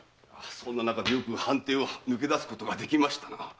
そんな中でよく藩邸を抜け出すことができましたな。